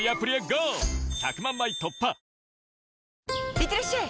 いってらっしゃい！